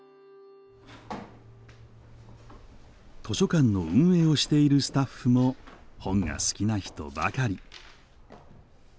図書館の運営をしているスタッフも本が好きな人ばかり。